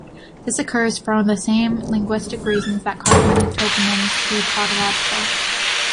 This occurs for the same linguistic reasons that cause many toponyms to be tautological.